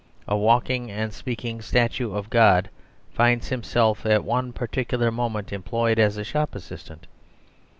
A walking and speaking statue of God finds himself at one particular moment employed as a shop assistant.